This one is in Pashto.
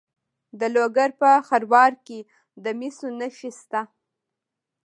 د لوګر په خروار کې د مسو نښې شته.